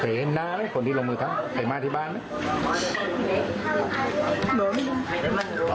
เผยเห็นหน้าไว้คนที่ลงมือทำใครมาที่บ้านนะ